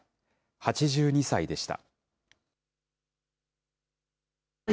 ８２歳でした。